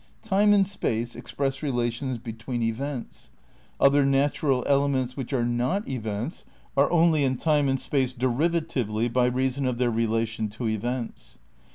"Time and space express relations between events. Other natural elements which are not events are only in time and space derivatively by reason of their relation to events."